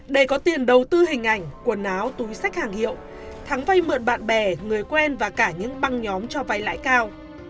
để có tiền đầu tư hình ảnh quần áo túi sách hàng hiệu thắng vay mượn bạn bè người quen và cả những băng nhóm cho vay lãi cao